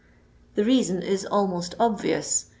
The retson is almost obvious.